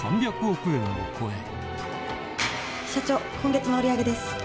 今月の売り上げです。